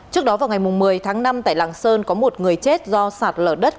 trước đó vào ngày một mươi tháng năm tại lạng sơn có một người chết do sạt lở đất